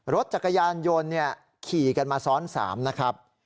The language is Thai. รถจักรยานยนต์ขี่กันมาซ้อน๓นะครับ